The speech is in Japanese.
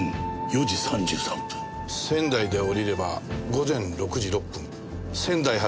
仙台で降りれば午前６時６分仙台発